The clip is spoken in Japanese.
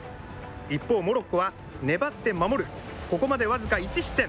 一方、モロッコは粘って守る、ここまで僅か１失点。